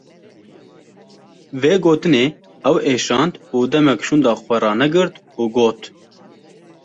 Vê gotinê ew êşand û demek şûnda xwe ranegirt û got: